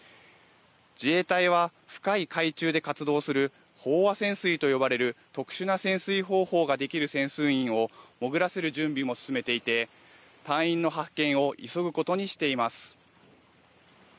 自衛隊は深い海中で活動する飽和潜水と呼ばれる特殊な潜水方法ができる潜水員を潜らせる準備も進めていて隊員の発見を急ぐことにしています。